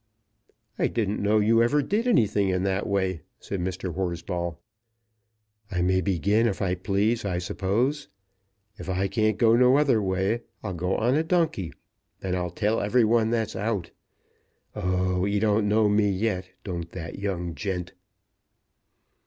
"I didn't know you ever did anything in that way," said Mr. Horsball. "I may begin if I please, I suppose. If I can't go no other way, I'll go on a donkey, and I'll tell every one that's out. Oh, 'e don't know me yet, don't that young gent."